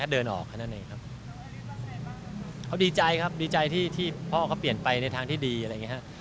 เดินออกแค่นั้นเองครับเขาดีใจครับดีใจที่ที่พ่อเขาเปลี่ยนไปในทางที่ดีอะไรอย่างเงี้ฮะ